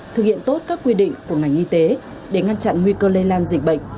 thực hiện tốt các quy định của ngành y tế để ngăn chặn nguy cơ lây lan dịch bệnh